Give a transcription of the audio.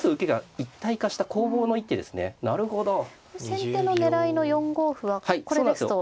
先手の狙いの４五歩はこれですと。